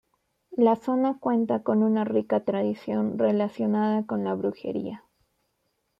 La zona cuenta con una rica tradición relacionada con la brujería.